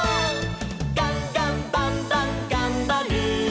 「ガンガンバンバンがんばる！」